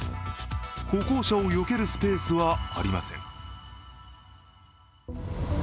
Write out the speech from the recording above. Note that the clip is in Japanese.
歩行者をよけるスペースはありません。